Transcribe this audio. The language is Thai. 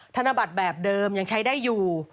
ธนบัตรแบบเดิมยังใช้ได้อยู่